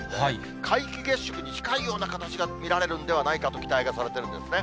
皆既月食に近いような形が見られるんではないかと期待がされてるんですね。